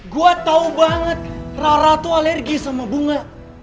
gue tau banget rara tuh alergi sama bunga